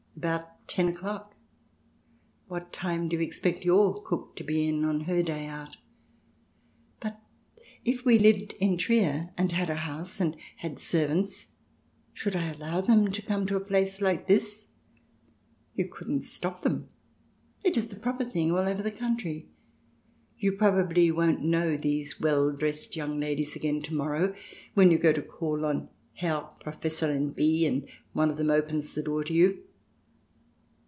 "About ten o'clock. What time do you expect your cook to be in on her day out ?"" But if we lived in Trier, and had a house, and had servants, should I allow them to come to a place like this ?"" You couldn't stop them. It is the proper thing all over the country. You probably won't know these well dressed young ladies again to morrow when you go to call on the Herr Professorin B , and one of them opens the door to you.